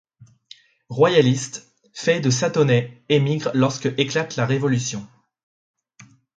Royaliste, Fay de Sathonay émigre lorsque éclate la Révolution.